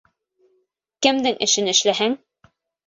Кемдең эшен эшләһәң